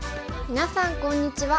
みなさんこんにちは。